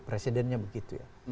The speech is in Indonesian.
presidennya begitu ya